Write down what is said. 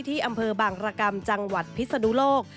ที่อำเภอบางรกรรมจังหวัดพิศนุโลก